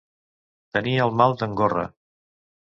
Tenir el mal d'en Gorra.